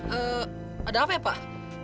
ada apa ya pak